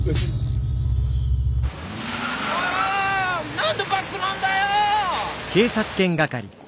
何でバックなんだよ！